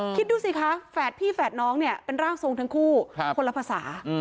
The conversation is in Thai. คิดดูสิคะแฝดพี่แฝดน้องเนี่ยเป็นร่างทรงทั้งคู่คนละภาษา